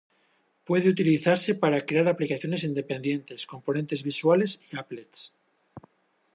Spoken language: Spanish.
Puede utilizarse para crear aplicaciones independientes, componentes visuales y applets.